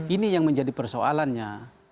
ini yang menjadi persoalannya